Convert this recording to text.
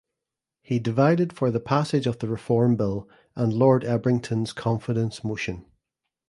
He divided for the passage of the reform bill and Lord Ebrington’s confidence motion.